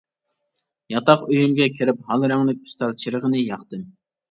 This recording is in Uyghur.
ياتاق ئۆيۈمگە كىرىپ ھال رەڭلىك ئۈستەل چىرىغىنى ياقتىم.